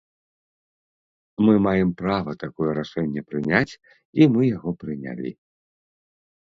Мы маем права такое рашэнне прыняць, і мы яго прынялі.